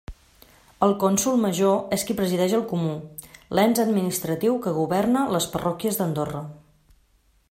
El cònsol major és qui presideix el comú, l'ens administratiu que governa les parròquies d'Andorra.